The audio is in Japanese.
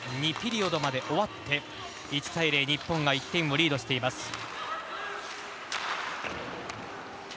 ２ピリオドまで終わって１対０、日本が１点をリードしています。